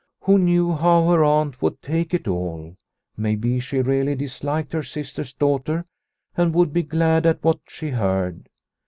Who knew how her aunt would take it all ? Maybe she really disliked her sister's daughter, and would be glad at what she heard.